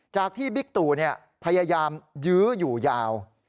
จากที่บิ๊กตู่พยายามยื้ออยู่ยาว